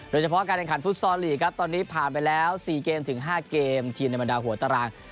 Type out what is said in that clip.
โดยเฉพาะการแข่งขันฟุตซอลลีกครับตอนนี้ผ่านไปแล้ว๔เกมถึง๕เกมทีมในบรรดาหัวตาราง